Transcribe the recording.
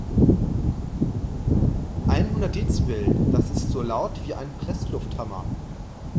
Einhundert Dezibel, das ist so laut wie ein Presslufthammer.